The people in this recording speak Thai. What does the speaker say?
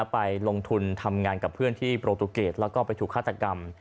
ไปลงทุนทำงานกับเพื่อนที่โปรตูเกตแล้วก็ไปถูกฆาตกรรม